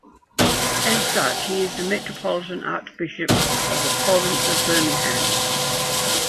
As such he is the Metropolitan Archbishop of the Province of Birmingham.